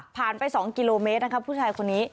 ผ่านไปสองกิโลเมตรนะคะผู้ชายคนนี้